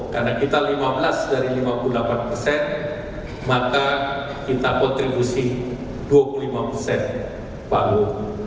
karena kita lima belas dari lima puluh delapan persen maka kita kontribusi dua puluh lima persen pak bowo